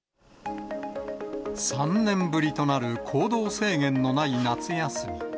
３年ぶりとなる行動制限のない夏休み。